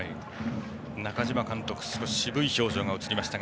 中嶋監督の渋い表情が映りました。